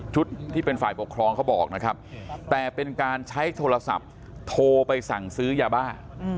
ที่เป็นฝ่ายปกครองเขาบอกนะครับแต่เป็นการใช้โทรศัพท์โทรไปสั่งซื้อยาบ้า